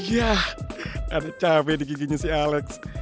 yah ada capek di giginya si alex